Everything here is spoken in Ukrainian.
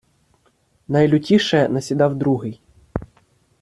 Найлютіше насідав Другий.